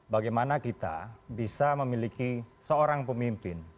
bagaimana kita bisa memiliki seorang pemimpin